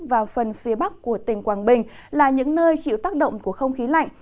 và phần phía bắc của tỉnh quảng bình là những nơi chịu tác động của không khí lạnh